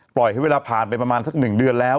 ปล่อยให้เวลาผ่านไปประมาณสัก๑เดือนแล้ว